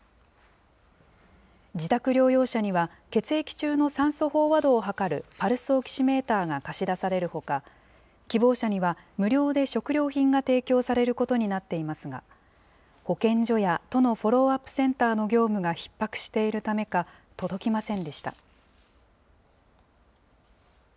自宅療養者には、血液中の酸素飽和度を測るパルスオキシメーターが貸し出されるほか、希望者には、無料で食料品が提供されることになっていますが、保健所や都のフォローアップセンターの業務がひっ迫しているためか、届きませんでした。